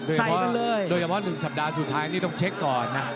โดยเฉพาะโดยเฉพาะ๑สัปดาห์สุดท้ายนี่ต้องเช็คก่อนนะ